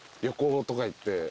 旅行とか行って。